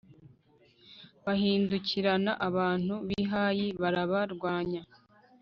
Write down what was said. bahindukirana abantu b'i hayi, barabarwanya